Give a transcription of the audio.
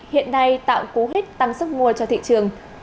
hiện nay tạo cú hích tăng sức mua cho thị trường